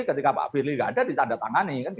ketika pak birly gak ada ditandatangani